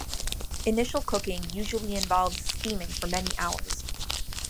Initial cooking usually involves steaming for many hours.